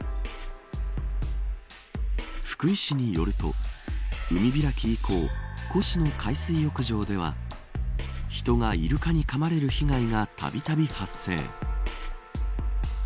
福井市によると海開き以降越廼海水浴場では人がイルカにかまれる被害がたびたび発生。